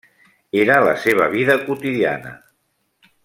Era la seva vida quotidiana.